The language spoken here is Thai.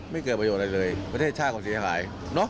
ไม่เกิดประโยชน์อะไรเลยประเทศชาติของศิลป้าย